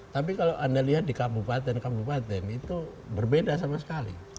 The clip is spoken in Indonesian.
tapi kalau anda lihat di kabupaten kabupaten itu berbeda sama sekali